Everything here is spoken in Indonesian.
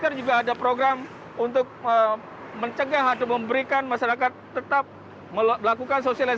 menjadi usul saya itu yang saya kurang kenal nih